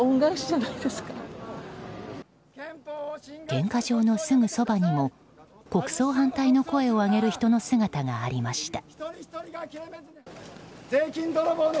献花場のすぐそばにも国葬反対の声を上げる人の姿がありました。